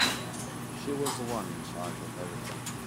She was the one in charge of everything.